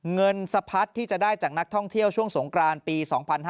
เงินสะพัดที่จะได้จากนักท่องเที่ยวช่วงสงกรานปี๒๕๕๙